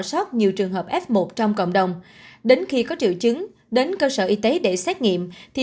sót nhiều trường hợp f một trong cộng đồng đến khi có triệu chứng đến cơ sở y tế để xét nghiệm thì